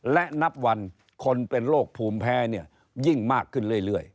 และนับวันคนเป็นโรคภูมิแพ้เนี่ยยิ่งมากขึ้นเรื่อย